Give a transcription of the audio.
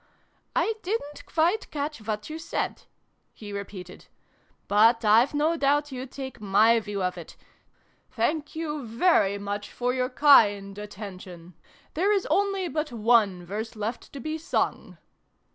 " I didn't quite catch what you said!" he repeated. " But I've no doubt you take my view of it. Thank you very much for your kind attention. There is only but one verse left to be sung